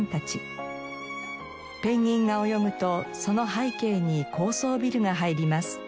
ペンギンが泳ぐとその背景に高層ビルが入ります。